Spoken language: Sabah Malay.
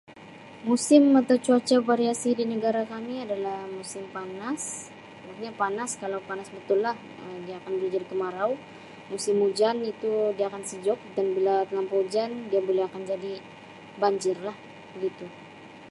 Musim atau cuaca variasi di negara kami adalah musim panas. Jadi yang panas kalau panas betul lah Um dia akan dia jadi kemarau, musim ujan itu dia akan sejuk dan bila telampau ujan dia boleh akan jadi banjir lah begitu.